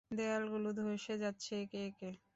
দেয়ালগুলো ধ্বসে যাচ্ছে একে একে।